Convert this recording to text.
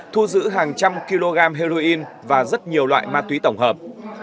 thu giữ hàng trăm kg heroin và rất nhiều loại ma túy tổng hợp